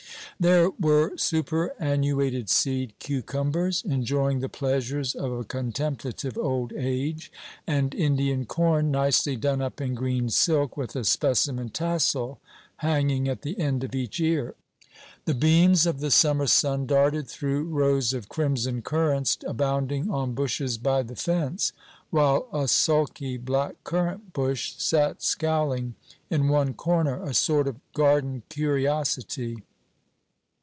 There were superannuated seed cucumbers, enjoying the pleasures of a contemplative old age; and Indian corn, nicely done up in green silk, with a specimen tassel hanging at the end of each ear. The beams of the summer sun darted through rows of crimson currants, abounding on bushes by the fence, while a sulky black currant bush sat scowling in one corner, a sort of garden curiosity.